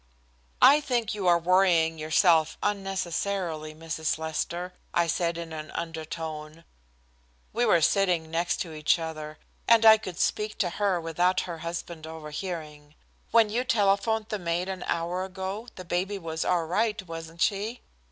"I think you are worrying yourself unnecessarily, Mrs. Lester," I said in an undertone. We were sitting next each other, and I could speak to her without her husband overhearing. "When you telephoned the maid an hour ago, the baby was all right, wasn't she?"